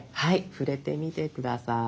触れてみて下さい。